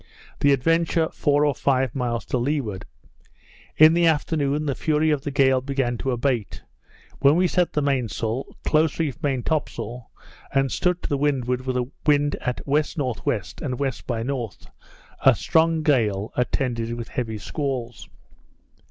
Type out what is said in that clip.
The Adventure four or five miles to leeward. In the afternoon the fury of the gale began to abate; when we set the main sail, close reefed main top sail, and stood to the windward with the wind at W.N.W. and W. by N. a strong gale, attended with heavy squalls.